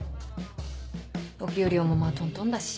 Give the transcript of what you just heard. お給料もまぁまぁトントンだし。